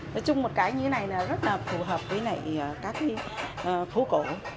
nói chung một cái như thế này là rất là phù hợp với các phố cổ